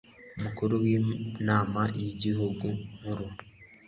umukuru w'inama y'igihugu nkuru